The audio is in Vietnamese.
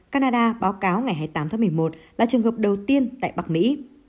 canada báo cáo ngày hai mươi tám tháng một mươi một là trường hợp đầu tiên tại bắc mỹ